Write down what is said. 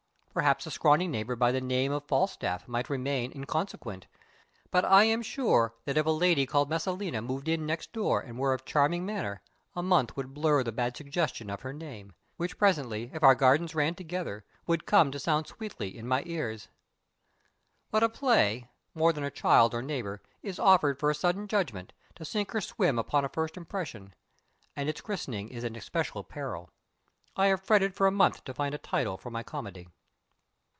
Perhaps a scrawny neighbor by the name of Falstaff might remain inconsequent, but I am sure that if a lady called Messilina moved in next door and were of charming manner, a month would blur the bad suggestion of her name; which presently if our gardens ran together would come to sound sweetly in my ears. But a play (more than a child or neighbor) is offered for a sudden judgment to sink or swim upon a first impression and its christening is an especial peril. I have fretted for a month to find a title for my comedy.